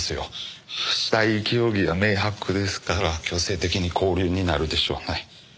死体遺棄容疑は明白ですから強制的に勾留になるでしょうね。